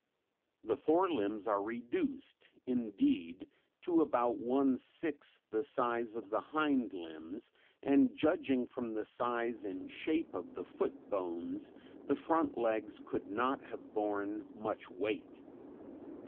The fore limbs are reduced indeed to about one sixth the size of the hind limbs and judging from the size and shape of the foot bones the front legs could not have borne much weight.